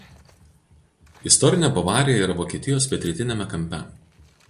Istorinė Bavarija yra Vokietijos pietrytiniame kampe.